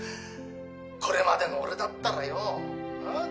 「これまでの俺だったらよん？